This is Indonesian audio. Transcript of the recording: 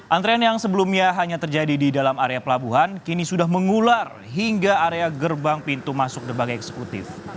antrean yang sebelumnya hanya terjadi di dalam area pelabuhan kini sudah mengular hingga area gerbang pintu masuk debagai eksekutif